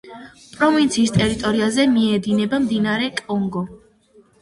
პროვინციის ტერიტორიაზე მიედინება მდინარე კონგო.